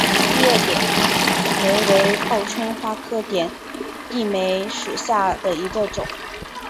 异叶点地梅为报春花科点地梅属下的一个种。